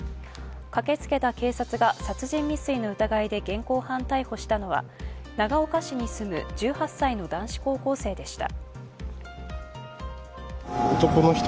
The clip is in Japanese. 駆けつけた警察が殺人未遂の疑いで現行犯逮捕したのは長岡市に住む１８歳の男子高校生でした。